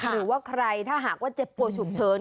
หรือว่าใครถ้าหากว่าเจ็บป่วยฉุกเฉิน